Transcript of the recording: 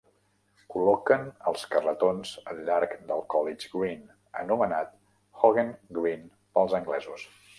Col·loquen els carretons al llarg del College Green, anomenat Hoggen Green pel anglesos.